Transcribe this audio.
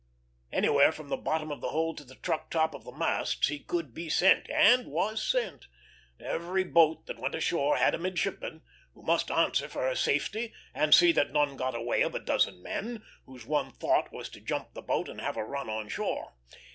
Anywhere from the bottom of the hold to the truck top of the masts he could be sent, and was sent; every boat, that went ashore had a midshipman, who must answer for her safety and see that none got away of a dozen men, whose one thought was to jump the boat and have a run on shore.